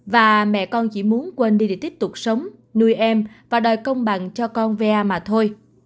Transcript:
và mẹ con chỉ muốn quên đi để tiếp tục sống nuôi em và đòi công bằng cho con ve mà thôi